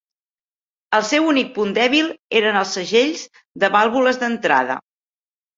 El seu únic punt dèbil eren els segells de vàlvules d'entrada.